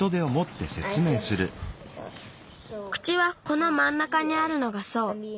口はこのまんなかにあるのがそう。